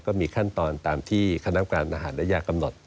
ก็มีขั้นตอนตามที่คณะการทหารและยากำหนด